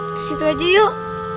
kesitu aja yuk